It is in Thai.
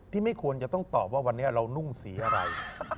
ไม่ควรจะต้องตอบว่าวันนี้เรานุ่งสีอะไร